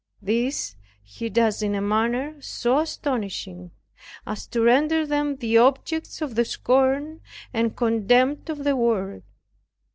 This He does in a manner so astonishing, as to render them the objects of the scorn and contempt of the world.